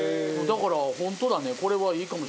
だから本当だね。